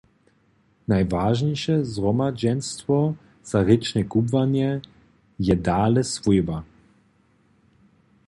Najwažniše zhromadźenstwo za rěčne kubłanje je dale swójba.